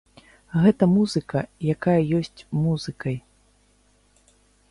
Гэта музыка, якая ёсць музыкай.